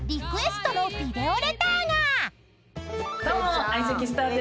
どうも相席スタート